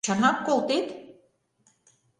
Чынак колтет?